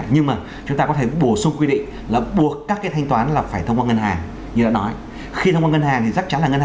như là các nước phát triển